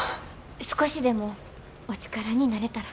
少しでもお力になれたら。